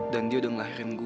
dan dia udah ngelahirin gue